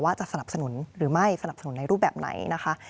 สนับสนุนหรือไม่สนับสนุนในรูปแบบไหนนะคะ